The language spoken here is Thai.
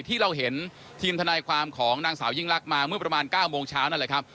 ที่เราเห็นทีมทนายความของนางสาวยิ่งลักษณ์มาเมื่อประมาณ๙โมงเช้านั่นแหละครับ